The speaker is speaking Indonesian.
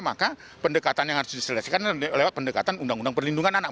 maka pendekatan yang harus diselesaikan lewat pendekatan undang undang perlindungan anak